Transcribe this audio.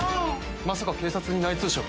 まさか警察に内通者が？